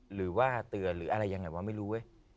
หรือว่าเตือนหรืออะไรยังไงวะไม่รู้เว้ย